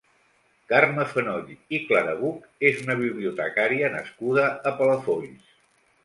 Carme Fenoll i Clarabuch és una bibliotecària nascuda a Palafolls.